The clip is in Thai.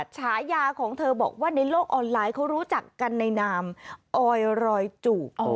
ฉายาของเธอบอกว่าในโลกออนไลน์เขารู้จักกันในนามออยรอยจุก